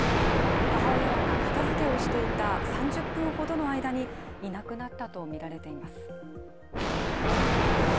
母親らが片づけをしていた３０分ほどの間にいなくなったとみられています。